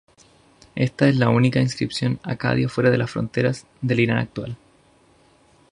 Esta es la única inscripción acadia fuera de las fronteras del Irán actual.